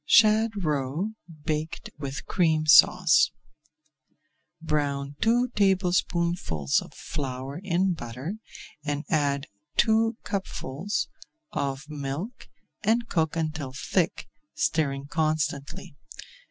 SHAD ROE BAKED WITH CREAM SAUCE Brown two tablespoonfuls of flour in butter, add two cupfuls of milk, and cook until thick, stirring constantly.